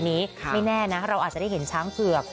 ไม่แน่นะเราอาจจะได้เห็นช้างเผือก